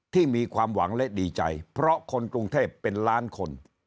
มีความหวังและดีใจเพราะคนกรุงเทพเป็นล้านคน